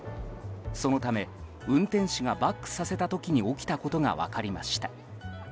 そのため運転士がバックさせた時に起きたことが分かりました。